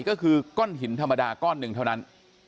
ก็คือก้อนหินธรรมดาก้อนหนึ่งเท่านั้น